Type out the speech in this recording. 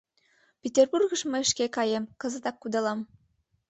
Петербургыш мый шке каем, кызытак кудалам.